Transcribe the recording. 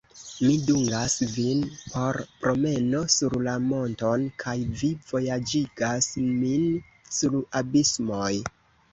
Mi dungas vin por promeno sur la monton, kaj vi vojaĝigas min sur abismoj!